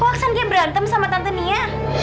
waksan dia berantem sama tante nia